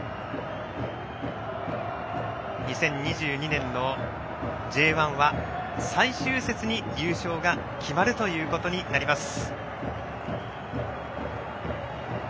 ２０２２年のＪ１は最終節に優勝が決まるということになります。